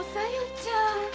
ちゃん